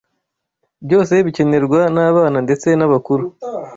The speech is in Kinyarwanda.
byose bikenerwa n’abana ndetse n’abakuru